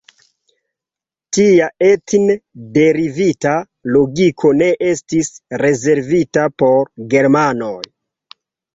Tia etne derivita logiko ne estis rezervita por Germanoj.